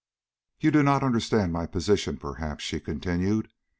"You do not understand my position, perhaps," she continued.